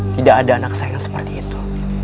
tidak ada anak sayang seperti itu